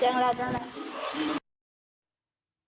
เจ๋งแล้วจังแล้ว